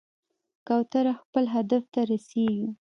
کوتره خپل هدف ته رسېږي.